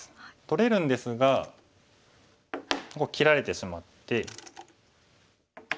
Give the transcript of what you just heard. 取れるんですがここ切られてしまって。